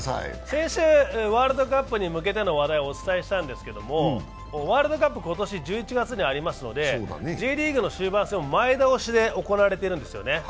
先週、ワールドカップに向けての話題をお伝えしたんですけど、ワールドカップ今年１１月にありますのでＪリーグの終盤戦が前倒しで行われてるんですよね。